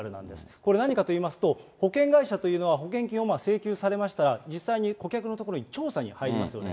これ、何かといいますと、保険会社というのは保険金を請求されましたら、実際に顧客のところに調査に入りますね。